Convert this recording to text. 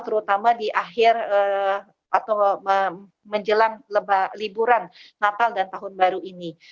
terutama di akhir atau menjelang liburan natal dan tahun baru ini